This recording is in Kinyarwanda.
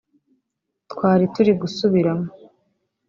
twari turi gusubiramo